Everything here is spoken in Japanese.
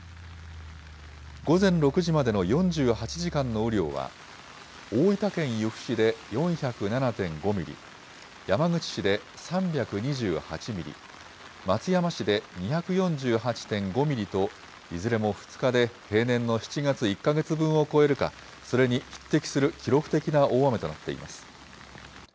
午前６時までの４８時間の雨量は、大分県由布市で４０７．５ミリ、山口市で３２８ミリ、松山市で２４８．５ミリと、いずれも２日で平年の７月１か月分を超えるか、それに匹敵する記録的な大雨となっています。